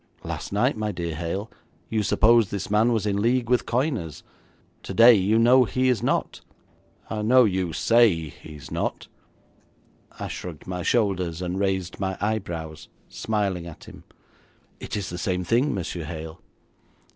'Last night, my dear Hale, you supposed this man was in league with coiners. Today you know he is not.' 'I know you say he is not.' I shrugged my shoulders, and raised my eyebrows, smiling at him. 'It is the same thing, Monsieur Hale.'